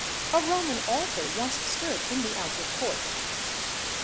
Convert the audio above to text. A Roman altar once stood in the outer court.